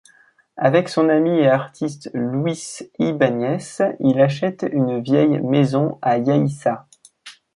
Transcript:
Avec son ami et artiste Luis Ibañez, il achète une vieille maison à Yaiza.